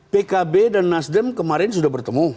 pkb dan nasdem kemarin sudah bertemu